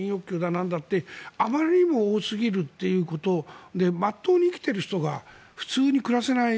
なんだってあまりにも多すぎるということで真っ当に生きている人が普通に暮らせない